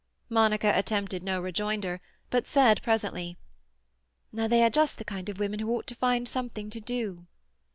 Monica attempted no rejoinder, but said presently— "Now they are just the kind of women who ought to find something to do."